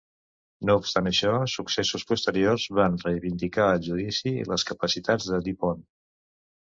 No obstant això, successos posteriors van reivindicar el judici i les capacitats de Du Pont.